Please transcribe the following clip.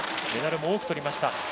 メダルも多くとりました。